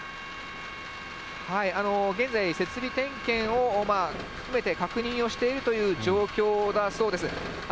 現在、設備点検を含めて確認をしているという状況だそうです。